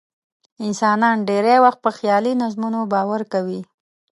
انسانان ډېری وخت په خیالي نظمونو باور کوي.